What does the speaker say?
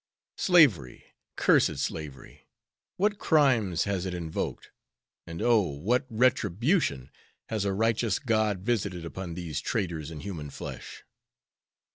Slavery! cursed slavery! what crimes has it invoked! and, oh! what retribution has a righteous God visited upon these traders in human flesh!